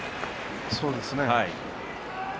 そうですね。